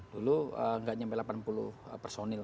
dulu nggak sampai delapan puluh personil